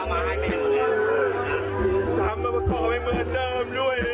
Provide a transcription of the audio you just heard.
ทำอะไรด้วย